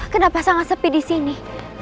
kenapa sangat sepi disini